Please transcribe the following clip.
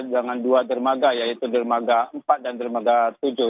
dengan dua dermaga yaitu dermaga empat dan dermaga tujuh